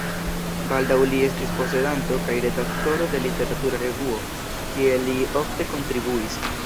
Baldaŭ li estis posedanto kaj redaktoro de literatura revuo, kie li ofte kontribuis.